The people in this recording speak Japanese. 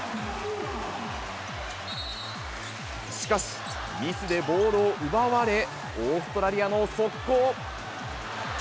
しかし、ミスでボールを奪われ、オーストラリアの速攻。